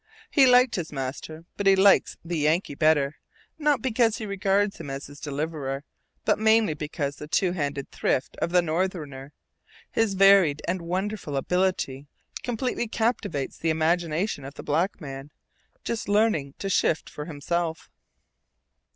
He liked his master, but he likes the Yankee better, not because he regards him as his deliverer, but mainly because the two handed thrift of the Northerner, his varied and wonderful ability, completely captivates the imagination of the black man, just learning to shift for himself.